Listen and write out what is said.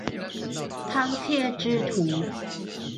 饕餮之徒